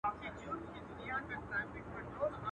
o غوا ئې و غيه، چي غړکه ئې مرداره سي.